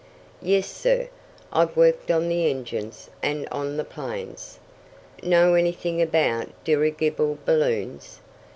"Yes, sir. I've worked on the engines, and on the planes." "Know anything about dirigible balloons?"